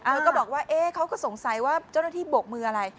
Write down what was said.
ก็บอกว่าเขาก็สงสัยว่าเจ้าหน้าที่บกมืออะไร